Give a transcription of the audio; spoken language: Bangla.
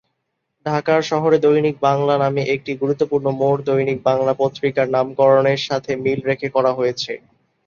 ঢাকার শহরে দৈনিক বাংলা নামে একটি গুরুত্বপূর্ণ মোড় দৈনিক বাংলা পত্রিকার নামকরণের সাথে মিল রেখে করা হয়েছে।